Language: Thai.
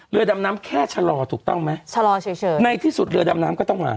เรือดำน้ำแค่ชะลอถูกต้องไหมชะลอเฉยเฉยในที่สุดเรือดำน้ำก็ต้องมา